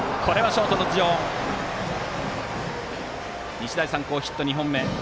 日大三高、ヒット２本目。